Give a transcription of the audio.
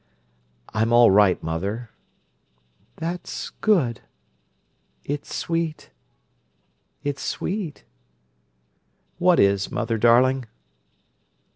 "I'm all right, mother." "That's good. It's sweet—it's sweet—" "What is, mother darling?"